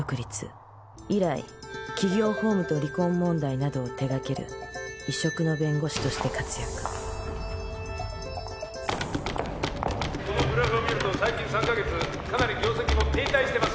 以来企業法務と離婚問題などを手がける異色の弁護士として活躍」「このグラフを見ると最近３か月かなり業績も停滞してますよね」